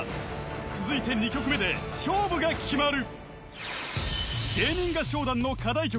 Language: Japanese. ［続いて２曲目で勝負が決まる］